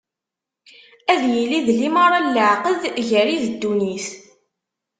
Ad yili d limaṛa n leɛqed gar-i d ddunit.